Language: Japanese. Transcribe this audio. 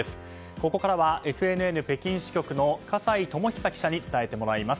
ここからはＦＮＮ北京支局の葛西友久記者に伝えてもらいます。